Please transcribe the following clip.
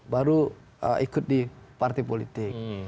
baru ikut di partai politik